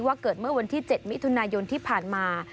เกิดเมื่อวันที่๗มิถุนายนที่ผ่านมา